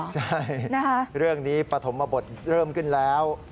ใช่เรื่องนี้ปฐมบทเริ่มขึ้นแล้ว